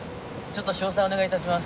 ちょっと詳細お願い致します。